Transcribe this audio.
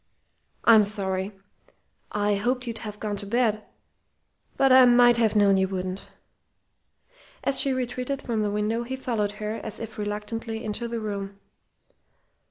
"I'm sorry! I hoped you'd have gone to bed. But I might have known you wouldn't." As she retreated from the window, he followed her, as if reluctantly, into the room.